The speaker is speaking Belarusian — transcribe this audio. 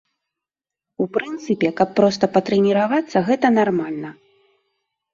У прынцыпе, каб проста патрэніравацца, гэта нармальна.